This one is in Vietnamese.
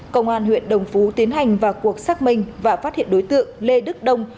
công an huyện đồng phú tiến hành vào cuộc xác minh và phát hiện đối tượng lê đức đông